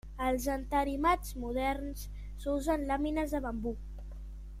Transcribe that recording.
Als entarimats moderns s'usen làmines de bambú.